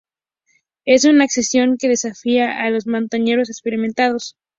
Es una ascensión que desafía a los montañeros experimentados.